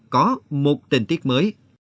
có một tình tiết mới